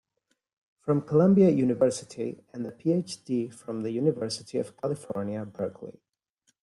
from Columbia University, and a Ph.D. from the University of California, Berkeley.